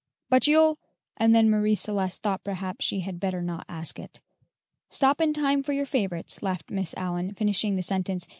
"But you'll " and then Marie Celeste thought perhaps she had better not ask it. "Stop in time for your favorites," laughed Miss Allyn, finishing the sentence.